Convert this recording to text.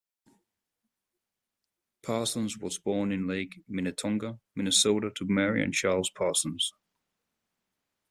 Parsons was born in Lake Minnetonka, Minnesota to Mary and Charles Parsons.